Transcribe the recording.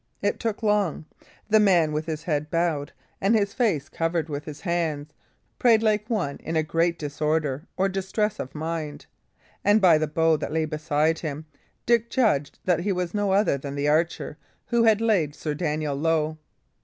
It took long; the man, with his head bowed and his face covered with his hands, prayed like one in a great disorder or distress of mind; and by the bow that lay beside him, Dick judged that he was no other than the archer who had laid Sir Daniel low.